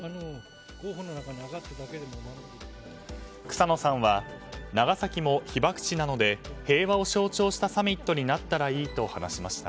草野さんは長崎も被爆地なので平和を象徴したサミットになったらいいと話しました。